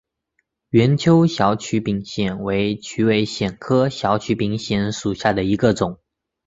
圆锹小曲柄藓为曲尾藓科小曲柄藓属下的一个种。